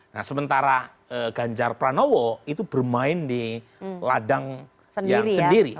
nah sementara ganjar pranowo itu bermain di ladang yang sendiri